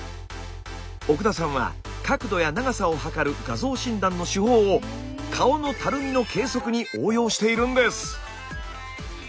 奥田さんは角度や長さを測る画像診断の手法を顔のたるみの計測に応用しているんです。